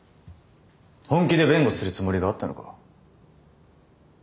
本気で弁護するつもりがあったのか？